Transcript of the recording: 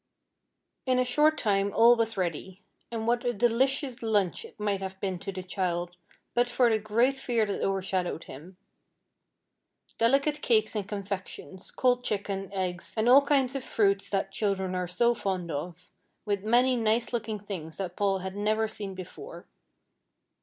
In a short time all was ready; and what a delicious lunch it might have been to the child, but for the great fear that overshadowed him! Delicate cakes and confections, cold chicken, eggs, and all kinds of fruits that children are so fond of, with many nice looking things that Paul had never seen before.